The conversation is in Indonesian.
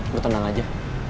lu tenang aja